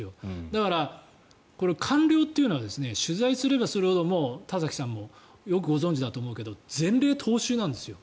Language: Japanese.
だから、官僚というのは取材すればするほど田崎さんもよくご存じだと思うけど前例踏襲なんですよ。